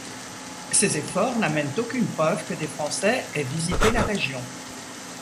Ces efforts n'amènent aucune preuve que des Français aient visité la région.